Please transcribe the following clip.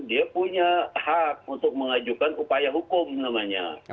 dia punya hak untuk mengajukan upaya hukum namanya